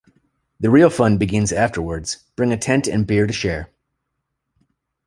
The real fun begins afterwords, bring a tent and beer to share.